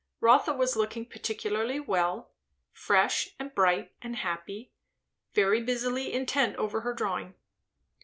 Rotha was looking particularly well; fresh and bright and happy; very busily intent over her drawing.